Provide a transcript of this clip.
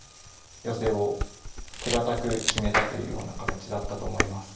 寄せを手堅く決めたというような形だったと思います。